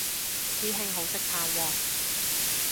師兄好識嘆喎